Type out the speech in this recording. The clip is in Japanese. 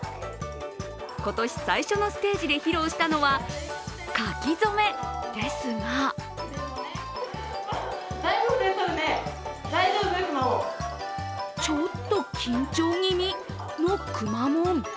今年最初のステージで披露したのは書き初めですがちょっと緊張気味のくまモン。